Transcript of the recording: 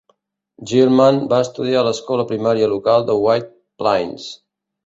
Gilman va estudiar a l'escola primària local de White Plains.